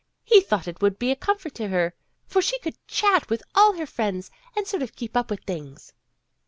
He thought it would be a comfort to her, for she could chat with all her friends, and sort of keep up with things.